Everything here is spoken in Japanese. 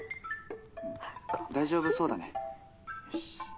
大丈夫そうだねよし。